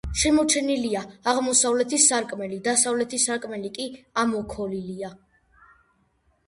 შემორჩენილია აღმოსავლეთის სარკმელი, დასავლეთის სარკმელი კი ამოქოლილია.